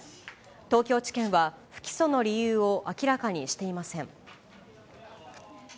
東京地検は、不起訴の理由を明らかにしていません。